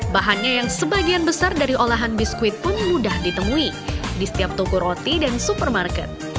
bahannya yang sebagian besar dari olahan biskuit pun mudah ditemui di setiap toko roti dan supermarket